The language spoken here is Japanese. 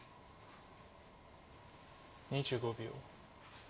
２５秒。